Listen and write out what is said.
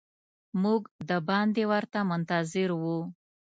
موږ د باندې ورته منتظر وو.